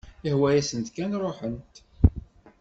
Ihwa-yasent kan ruḥent.